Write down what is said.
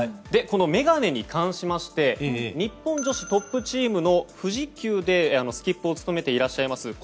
この眼鏡に関しまして日本女子トップチームの富士急でスキップを務めていらっしゃいます